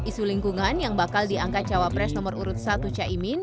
isu lingkungan yang bakal diangkat cawapres nomor urut satu caimin